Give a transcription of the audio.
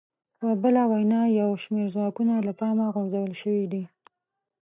په بله وینا یو شمېر ځواکونه له پامه غورځول شوي دي